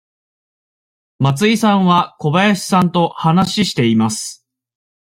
松井さんは小林さんと話しています。